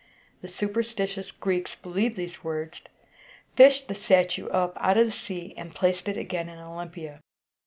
The superstitious Greeks believed these words, fished the statue up out of the sea, and placed it again in Olympia.